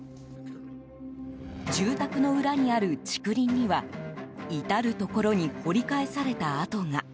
住宅の裏にある竹林には至るところに掘り返された跡が。